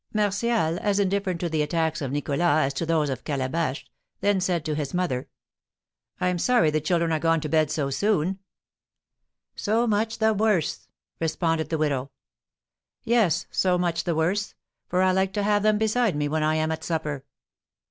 Martial, as indifferent to the attacks of Nicholas as to those of Calabash, then said to his mother, "I'm sorry the children are gone to bed so soon." "So much the worse," responded the widow. "Yes, so much the worse; for I like to have them beside me when I am at supper."